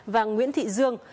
và nguyễn thị dương